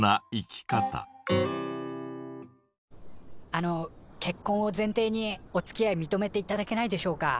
あの結婚を前提におつきあい認めていただけないでしょうか？